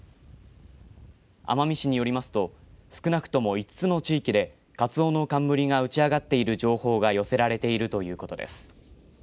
奄美市によりますと少なくとも５つの地域でカツオノカンムリが打ち上がっている情報が寄せられているということです。